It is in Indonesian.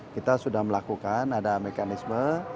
kita sudah melakukan ada mekanisme